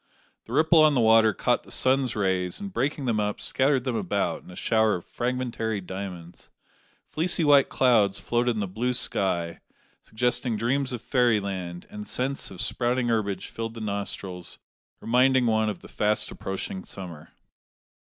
The ripple on the water caught the sun's rays, and, breaking them up, scattered them about in a shower of fragmentary diamonds. Fleecy white clouds floated in the blue sky, suggesting dreams of fairy land, and scents of sprouting herbage filled the nostrils, reminding one of the fast approaching summer.